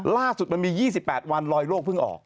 ล่าสุดมันมี๒๘วันรอยโรคเพิ่งออก